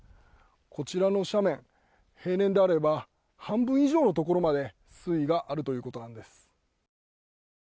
こちらの斜面、平年であれば半分以上のところまで水位があるということです。